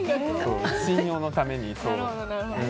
信用のために。